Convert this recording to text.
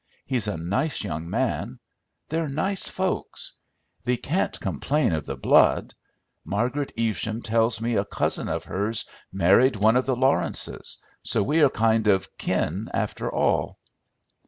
He's a nice young man. They're nice folks. Thee can't complain of the blood. Margaret Evesham tells me a cousin of hers married one of the Lawrences, so we are kind of kin after all."